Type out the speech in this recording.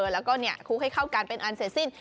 แล้วก็คูค่าเข้ากันเป็นอาร์สเตอร์ซิ่น